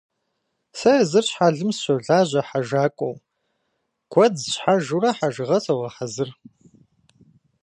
Сэ езыр щхьэлым сыщолажьэ хьэжакӏуэу, гуэдз схьэжурэ хэжыгъэ согъэхьэзыр.